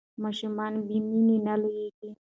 ماشومان بې مینې نه لویېږي.